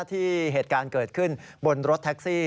เหตุการณ์เกิดขึ้นบนรถแท็กซี่